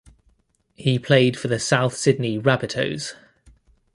He played for the South Sydney Rabbitohs.